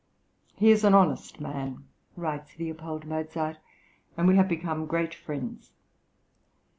"He is an honest man," writes L. Mozart, "and we have become great friends."